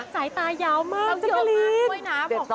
สายตายาวมากจ๊ะกะลีน